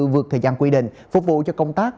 vượt thời gian quy định phục vụ cho công tác